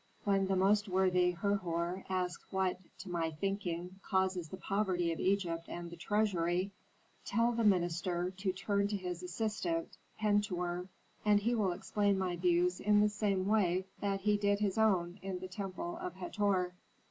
"When the most worthy Herhor asks what, to my thinking, causes the poverty of Egypt and the treasury, tell the minister to turn to his assistant, Pentuer, and he will explain my views in the same way that he did his own in the temple of Hator.